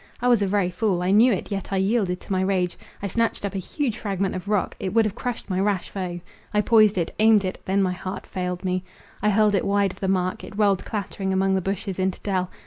I was a very fool; I knew it, yet I yielded to my rage. I snatched up a huge fragment of rock; it would have crushed my rash foe. I poized it—aimed it—then my heart failed me. I hurled it wide of the mark; it rolled clattering among the bushes into dell.